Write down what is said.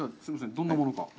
どんなものか。